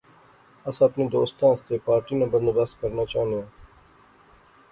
اس اپنے دوستاں آسے پارٹی ناں بندوبست کرنا چاہنے آں